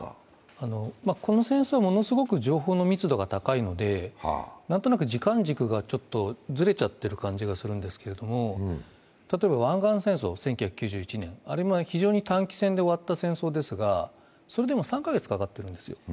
この戦争はものすごく情報の密度が高いので、何となく時間軸がちょっとずれちゃっている感じがするんですけれども、例えば湾岸戦争、１９９１年あれ非常に短期戦で終わった戦争ですがそれでも３カ月かかってるんですよ